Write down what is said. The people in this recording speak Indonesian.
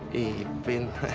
baik kita mulai